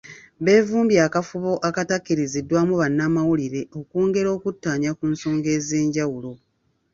Beevumbye akafubo akatakkiriziddwamu bannamawulire okwongera okuttaanya ku nsonga ez'enjawulo.